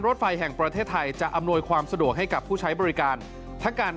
รถไฟแห่งประเทศไทยจะอำนวยความสะดวกให้กับผู้ใช้บริการทั้งการ